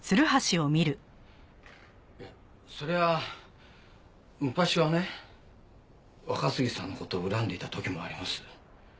そりゃあ昔はね若杉さんの事を恨んでいた時もあります。